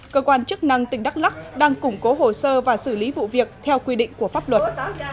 cơ quan chức năng tỉnh đắk lắc đang củng cố hồ sơ và xử lý vụ việc theo quy định của pháp luật